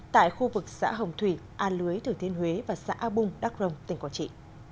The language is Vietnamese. tại khu vực xã hồng thủy a lưới thừa thiên huế và xã a bung đắc rông tỉnh quảng trị